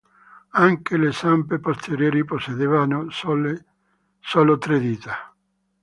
Anche le zampe posteriori possedevano solo tre dita.